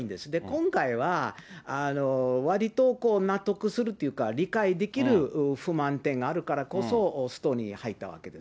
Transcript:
今回は割と納得するっていうか、理解できる不満点があるからこそ、ストに入ったわけです。